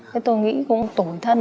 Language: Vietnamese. thế tôi nghĩ cũng tủi thân